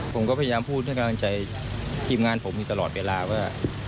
ผมก็พยายามพูดให้กำลังใจทีมงานผมอยู่ตลอดเวลาว่า